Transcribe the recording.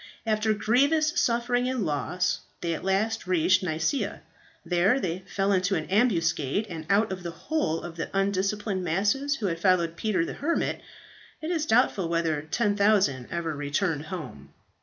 After grievous suffering and loss they at last reached Nicaea. There they fell into an ambuscade; and out of the whole of the undisciplined masses who had followed Peter the Hermit, it is doubtful whether 10,000 ever returned home.